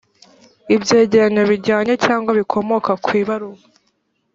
ibyegeranyo bijyanye cyangwa bikomoka ku ibarura